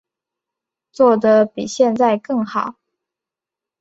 做得比现在更好